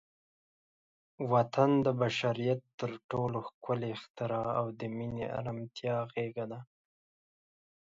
وطن د بشریت تر ټولو ښکلی اختراع او د مینې، ارامتیا غېږه ده.